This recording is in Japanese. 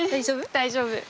大丈夫。